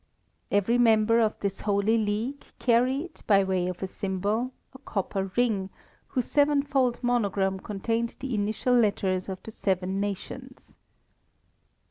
Every member of this holy league carried by way of a symbol a copper ring, whose sevenfold monogram contained the initial letters of the seven nations.